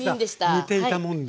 似ていたもんで。